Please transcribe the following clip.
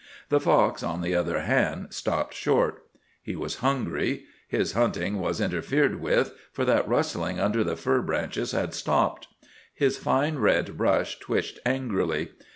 The fox, on the other hand, stopped short. He was hungry. His hunting was interfered with, for that rustling under the fir branches had stopped. His fine red brush twitched angrily.